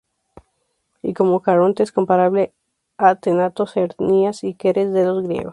Y, como Caronte, es comparable a Thanatos, Erinias y Keres de los griegos.